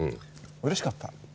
うれしかった？